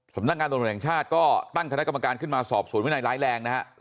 สำนักงานตำรวจแห่งชาติก็ตั้งคณะกรรมการขึ้นมาสอบสวนวินัยร้ายแรงนะครับ